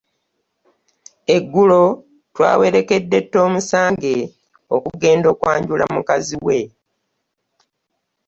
Eggulo twawerekedde Tomusange okugenda okwanjula mukazi we.